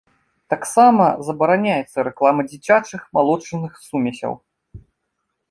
Таксама забараняецца рэклама дзіцячых малочных сумесяў.